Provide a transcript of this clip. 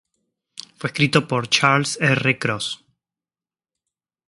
Fue escrito por Charles R. Cross.